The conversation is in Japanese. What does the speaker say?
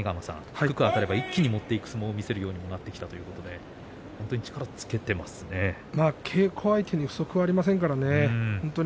低くあたれば一気に持っていく相撲も見せるようになってきたということで本当に力を稽古相手に不足はありませんからね。